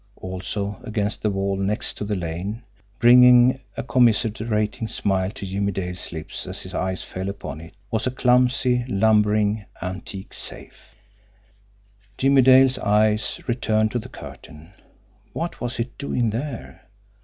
Also, against the wall next to the lane, bringing a commiserating smile to Jimmie Dale's lips as his eyes fell upon it, was a clumsy, lumbering, antique safe. Jimmie Dale's eyes returned to the curtain. What was it doing there?